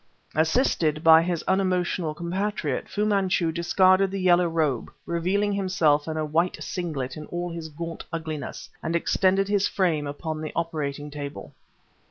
Assisted by his unemotional compatriot, Fu Manchu discarded the yellow robe, revealing himself in a white singlet in all his gaunt ugliness, and extended his frame upon the operating table.